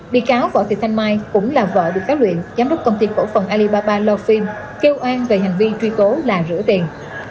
đi cáo vợ thị thanh mai cũng là vợ bị cáo luyện giám đốc công ty cổ phần alibaba loafin kêu an về hành vi truy tố là rửa tiền